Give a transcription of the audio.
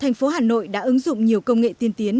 tháng qua thành phố hà nội đã ứng dụng nhiều công nghệ tiên tiến